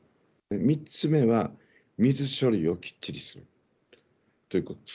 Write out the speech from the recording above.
３つ目は、水処理をきっちりするということです。